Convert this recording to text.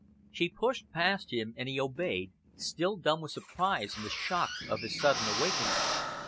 She pushed past him and he obeyed, still dumb with surprise and the shock of his sudden awakening.